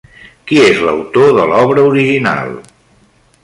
Qui és l'autor de l'obra original?